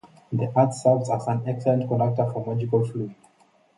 The earth serves as an excellent conductor for the magical fluid.